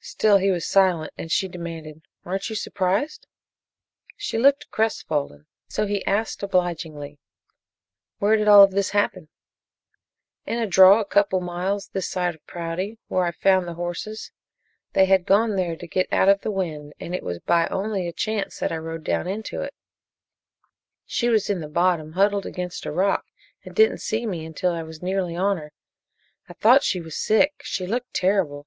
Still he was silent, and she demanded: "Aren't you surprised?" She looked crestfallen, so he asked obligingly: "Where did all of this happen?" "In a draw a couple of miles this side of Prouty, where I found the horses. They had gone there to get out of the wind and it was by only a chance that I rode down into it. "She was in the bottom, huddled against a rock, and didn't see me until I was nearly on her. I thought she was sick she looked terrible."